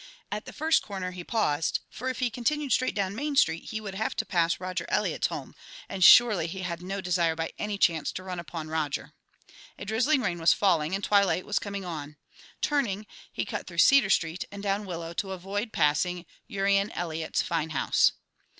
At the first corner he paused, for if he continued straight down Main Street he would have to pass Roger Eliot's home, and surely he had no desire by any chance to run upon Roger. A drizzling rain was falling, and twilight was coming on. Turning, he cut through Cedar Street and down Willow to avoid passing Urian Eliot's fine house.